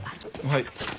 はい。